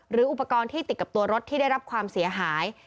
หรืออุปกรณ์ที่ติดกับตัวรถที่ได้รับความเสียหาย